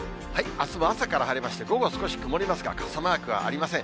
あすは朝から晴れまして、午後は少し曇りますが、傘マークはありません。